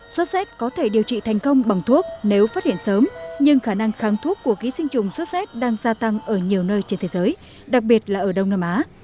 sốt xét có thể điều trị thành công bằng thuốc nếu phát hiện sớm nhưng khả năng kháng thuốc của ký sinh trùng sốt xét đang gia tăng ở nhiều nơi trên thế giới đặc biệt là ở đông nam á